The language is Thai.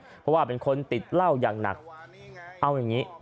เพราะว่าเป็นคนติดเหล้าอย่างหนักเอาอย่างนี้